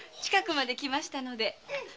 近くまで来ましたので。